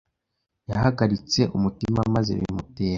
yahagaritse umutima maze bimutera